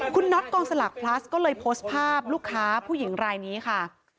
คุณน็อตกองสลักพลัสก็เลยโพสต์ภาพลูกค้าผู้หญิงรายนี้ค่ะ